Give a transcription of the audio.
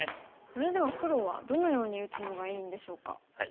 それでは黒はどのように打つのがいいんでしょうか。